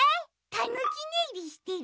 たぬきねいりしてる。